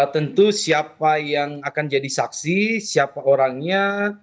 tentu siapa yang akan jadi saksi siapa orangnya